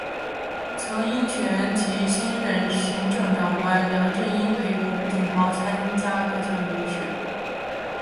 曾荫权及新任行政长官梁振英陪同胡锦涛参加各项仪式。